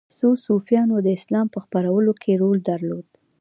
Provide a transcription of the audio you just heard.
خو صوفیانو د اسلام په خپرولو کې رول درلود